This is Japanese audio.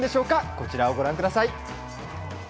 こちらをご覧ください。